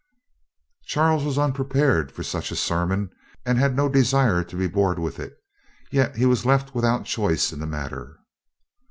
Charles was unprepared for such a sermon, and had no desire to be bored with it, yet he was left without choice in the matter.